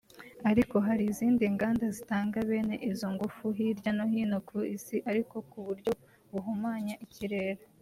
Ariko hari izindi nganda zitanga bene izo ngufu hirya no hino ku isi ariko ku buryo buhumanya ikirere